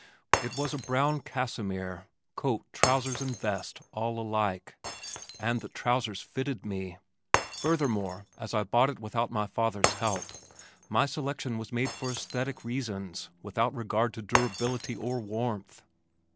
It was a brown cassimere, coat, trousers and vest all alike, and the trousers fitted me! Furthermore as I bought it without my father's help, my selection was made for esthetic reasons without regard to durability or warmth.